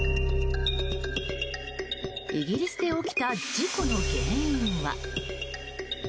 イギリスで起きた事故の原因は？